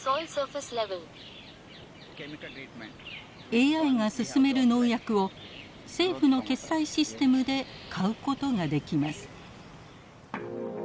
ＡＩが薦める農薬を政府の決済システムで買うことができます。